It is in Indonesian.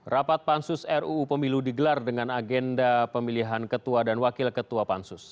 rapat pansus ruu pemilu digelar dengan agenda pemilihan ketua dan wakil ketua pansus